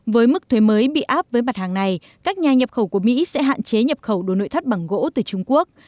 với mức thuế mới bị áp với mặt hàng này các nhà nhập khẩu của mỹ sẽ hạn chế nhập khẩu đồ nội thất bằng gỗ từ trung quốc